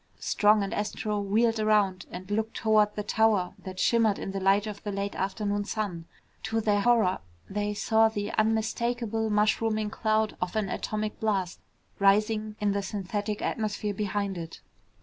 Strong and Astro wheeled around and looked toward the tower that shimmered in the light of the late afternoon sun. To their horror, they saw the unmistakable mushrooming cloud of an atomic blast rising in the synthetic atmosphere behind it.